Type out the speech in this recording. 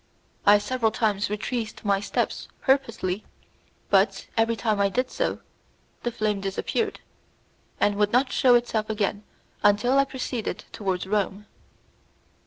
I several times retraced my steps purposely, but, every time I did so, the flame disappeared, and would not shew itself again until I proceeded towards Rome.